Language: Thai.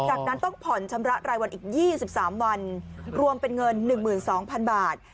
จากนั้นต้องผ่อนชำระรายวันอีก๒๓วันรวมเป็นเงิน๑๒๐๐๐บาท